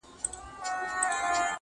اوس چي پر پردي ولات ښخېږم ته به نه ژاړې-